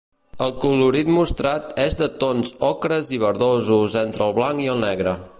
El colorit mostrat és en tons ocres i verdosos entre el blanc i el negre.